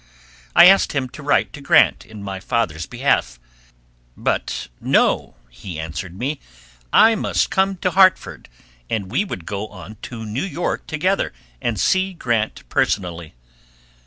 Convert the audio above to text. I asked him to write to Grant in my father's behalf, but No, he answered me, I must come to Hartford, and we would go on to New York together and see Grant personally.